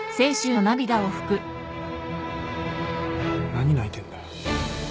何泣いてんだよ